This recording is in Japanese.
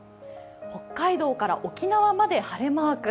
北海道から沖縄まで晴れマーク。